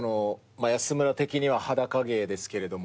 安村的には裸芸ですけれども。